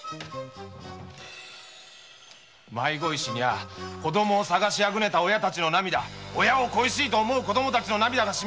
迷子石には子供を捜しあぐねた親たちの涙親を恋しいと思う子供たちの涙が泌みこんでいる。